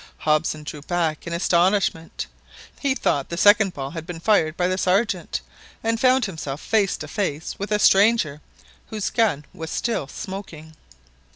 Hobson drew back in astonishment. He thought the second ball had been fired by the Sergeant, and found himself face to face with a stranger whose gun was still smoking.